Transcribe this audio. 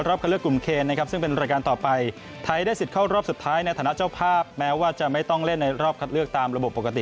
รอบคัตเลือกกลุ่มเคนซึ่งเป็นรายการต่อไป